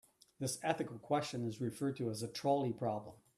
This ethical question is referred to as the trolley problem.